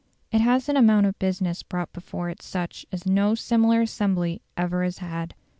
It has an amount of business brought before it such as no similar assembly ever has had.